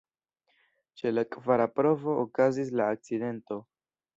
Ĉe la kvara provo okazis la akcidento.